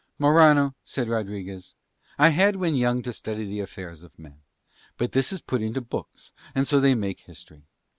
"Morano," said Rodriguez, "I had when young to study the affairs of men; and this is put into books, and so they make history.